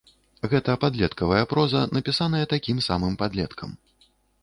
Гэта падлеткавая проза, напісаная такім самым падлеткам.